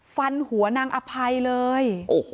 ฟันหัวนางอภัยเลย